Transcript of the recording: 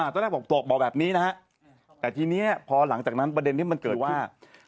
ตอนแรกบอกตกบอกแบบนี้นะฮะแต่ทีนี้พอหลังจากนั้นประเด็นที่มันเกิดว่า